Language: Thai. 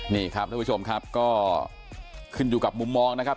นี่ครับท่านผู้ชมครับก็ขึ้นอยู่กับมุมมองนะครับ